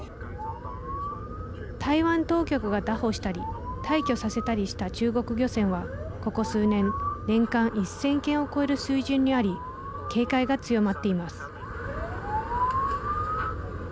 台湾当局が、拿捕したり退去させたりした中国漁船はここ数年、年間１０００件を超える水準にあり警戒が強まっています。